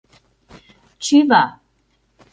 Чӱва!